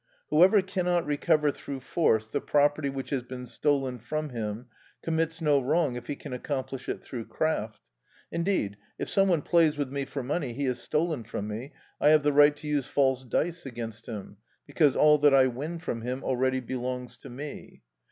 Whoever cannot recover through force the property which has been stolen from him, commits no wrong if he can accomplish it through craft. Indeed, if some one plays with me for money he has stolen from me, I have the right to use false dice against him, because all that I win from him already belongs to me.